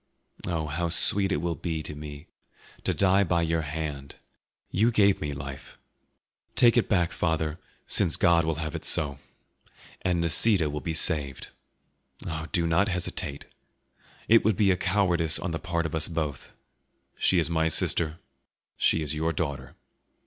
Oh, how sweet it will be to me to die by your hand! You gave me life; take it back, father, since God will have it so. And Nisida will be saved. Oh, do not hesitate! It would be a cowardice on the part of both of us; she is my sister, she is your daughter."